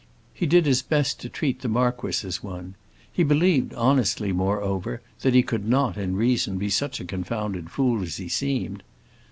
He did his best to treat the marquis as one; he believed honestly, moreover, that he could not, in reason, be such a confounded fool as he seemed.